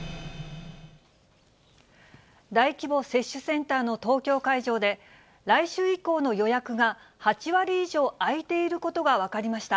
大規模接種センターの東京会場で、来週以降の予約が、８割以上空いていることが分かりました。